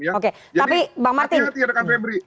jadi hati hati rekan febri